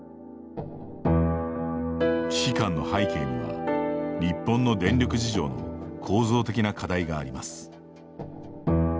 危機感の背景には日本の電力事情の構造的な課題があります。